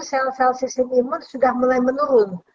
sel sel sistem imun sudah mulai menurun